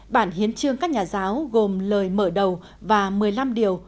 bản hiến chương các nhà giáo gồm lời mở đầu và một mươi năm điều